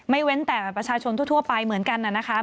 เว้นแต่ประชาชนทั่วไปเหมือนกันนะคะ